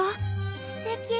すてき！